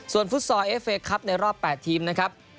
ส่วนฟุตซอลเอฟเคครับในรอบ๘ทีมนะครับ